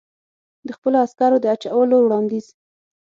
د خپلو عسکرو د اچولو وړاندیز.